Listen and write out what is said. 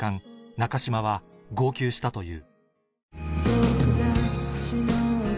中島は号泣したという